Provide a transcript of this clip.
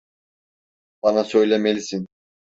Bana söylemelisin.